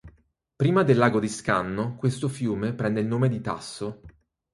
Prima del lago di Scanno questo fiume prende il nome di Tasso.